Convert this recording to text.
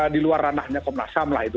di luar ranahnya komnas ham lah itu